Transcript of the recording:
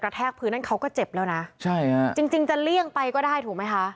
แทกพื้นนั้นเขาก็เจ็บแล้วนะใช่ฮะจริงจริงจะเลี่ยงไปก็ได้ถูกไหมคะ